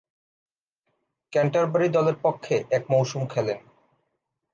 Canterbury দলের পক্ষে এক মৌসুম খেলেন।